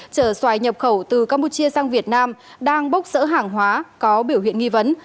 chở xoài nhập khẩu từ campuchia sang việt nam đang bốc rỡ hàng hóa có biểu hiện nghi vấn